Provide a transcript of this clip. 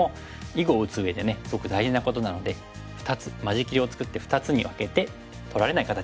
囲碁を打つうえでねすごく大事なことなので間仕切りを作って２つに分けて取られない形にする。